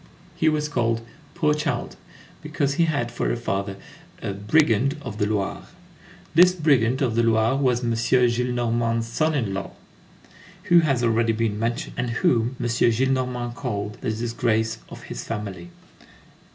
He was called "poor child," because he had for a father "a brigand of the Loire." This brigand of the Loire was M. Gillenormand's son in law, who has already been mentioned, and whom M. Gillenormand called "the disgrace of his family."